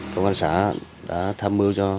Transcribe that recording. công an xã đã tham mưu cho